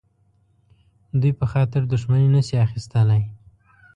دوی په خاطر دښمني نه شي اخیستلای.